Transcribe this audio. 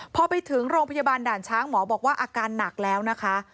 พอไปถึงโรงพยาบาลด่านช้างหมอบอกว่าอาการหนักแล้วนะคะ